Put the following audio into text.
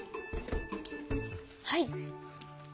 はい！